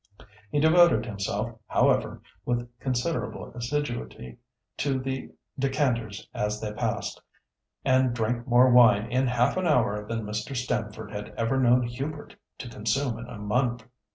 He devoted himself, however, with considerable assiduity to the decanters as they passed, and drank more wine in half an hour than Mr. Stamford had ever known Hubert to consume in a month.